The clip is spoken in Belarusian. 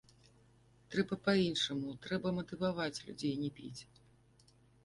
Трэба па-іншаму, трэба матываваць людзей не піць.